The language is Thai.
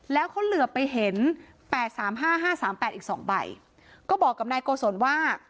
แล้วเขาเหลือไปเห็นแปดสามห้าห้าสามแปดอีกสองใบก็บอกกับนายโกศลว่า